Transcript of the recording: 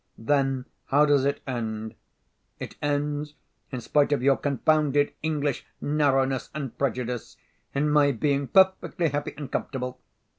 Then how does it end? It ends, in spite of your confounded English narrowness and prejudice, in my being perfectly happy and comfortable.